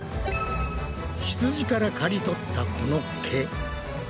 ひつじからかり取ったこの毛。